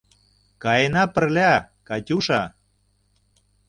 Каена пырля, Катюша!